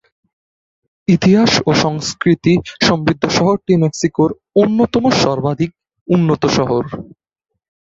ইতিহাস ও সংস্কৃতি সমৃদ্ধ শহরটি মেক্সিকোর অন্যতম সর্বাধিক উন্নত শহর।